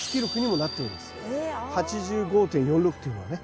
８５．４６というのはね。